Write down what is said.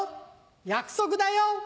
約束だよ！